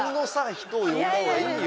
人を呼んだ方がいいよ。